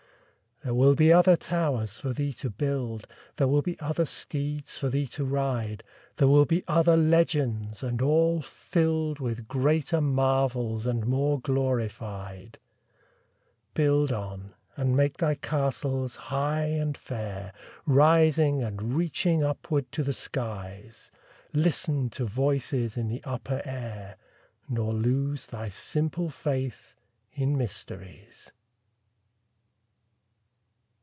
There will be other towers for thee to build; There will be other steeds for thee to ride; There will be other legends, and all filled With greater marvels and more glorified. Build on, and make thy castles high and fair, Rising and reaching upward to the skies; Listen to voices in the upper air, Nor lose thy simple faith in mysteries.